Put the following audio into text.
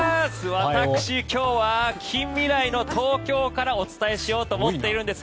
私、今日は近未来の東京からお伝えしようと思っているんです。